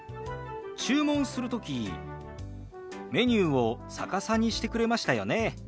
注文する時メニューを逆さにしてくれましたよね。